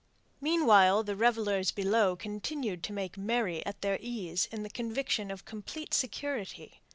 Meanwhile the revellers below continued to make merry at their ease in the conviction of complete security.